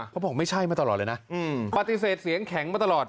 เขาบอกไม่ใช่มาตลอดเลยนะปฏิเสธเสียงแข็งมาตลอด